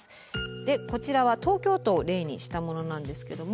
でこちらは東京都を例にしたものなんですけども。